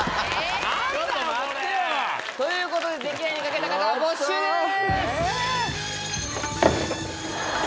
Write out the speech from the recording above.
ちょっと待ってよ！ということで「できない」に賭けた方は没収です！